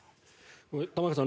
玉川さん